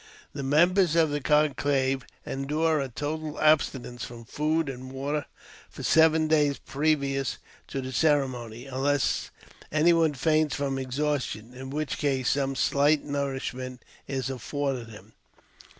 The members of the conclave endure a total abstinence from food and water for seven days previous to the ceremony, unless any one faints from exhaustion, in which case some slight nourish ment is afforded him.